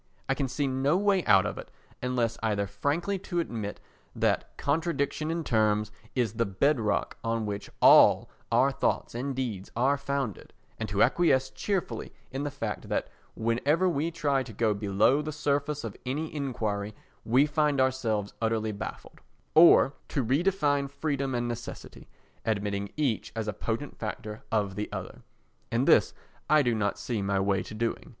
I can see no way out of it unless either frankly to admit that contradiction in terms is the bedrock on which all our thoughts and deeds are founded, and to acquiesce cheerfully in the fact that whenever we try to go below the surface of any enquiry we find ourselves utterly baffled—or to redefine freedom and necessity, admitting each as a potent factor of the other. And this I do not see my way to doing.